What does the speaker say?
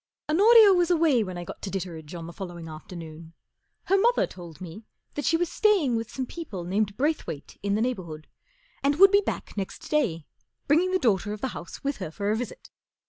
H ONOR IA was away when I got to Ditteredge oh the following afternoon. Her mother told me that she was staying with some people named Brayth wayt in the neighbourhood, and would be back next day, bringing the daughter of the house with her for a visit.